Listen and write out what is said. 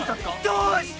どうして！